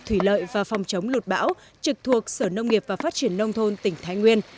thủy lợi và phòng chống lụt bão trực thuộc sở nông nghiệp và phát triển nông thôn tỉnh thái nguyên